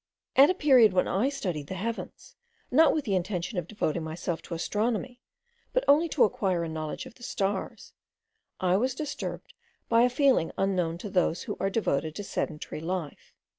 At a period when I studied the heavens, not with the intention of devoting myself to astronomy, but only to acquire a knowledge of the stars, I was disturbed by a feeling unknown to those who are devoted to sedentary life.